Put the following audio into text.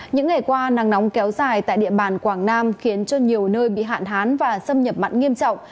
những ngày qua nắng nóng kéo dài tại địa bàn quảng nam khiến cho nhiều nơi bị hạn hán và xâm nhập mặn nghiêm trọng